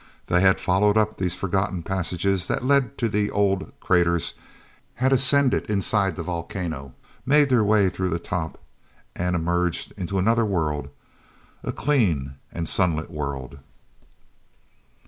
They had followed up these forgotten passages that led to the old craters, had ascended inside the volcano, made their way through the top and emerged into another world—a clean and sunlit world.